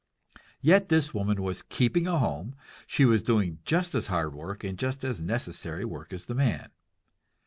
Yet this woman was keeping a home, she was doing just as hard work and just as necessary work as the man.